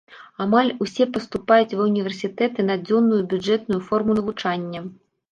Амаль усе паступаюць ва ўніверсітэты на дзённую бюджэтную форму навучання.